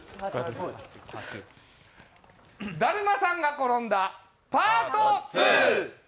だるまさんが転んだパート２。